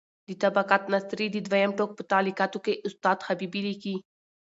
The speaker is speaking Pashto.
د طبقات ناصري د دویم ټوک په تعلیقاتو کې استاد حبیبي لیکي: